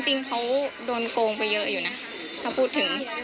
จริงเขาโดนโกงไปเยอะอยู่นะถ้าพูดถึง